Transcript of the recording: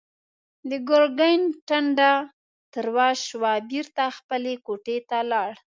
د ګرګين ټنډه تروه شوه، بېرته خپلې کوټې ته لاړ.